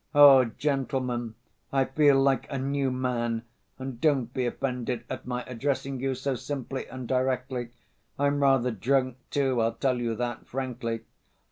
Oh, gentlemen, I feel like a new man, and don't be offended at my addressing you so simply and directly. I'm rather drunk, too, I'll tell you that frankly.